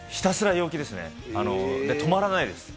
そうですね、止まらないです。